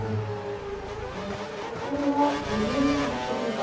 これは女流作曲家。